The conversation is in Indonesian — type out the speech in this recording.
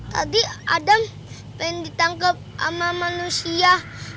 tadi adam pengen ditangkep ama manusia